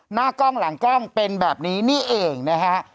หน้ากล้องหลังกล้องเป็นแบบนี้นี่เองนะฮะ